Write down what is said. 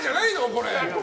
これ。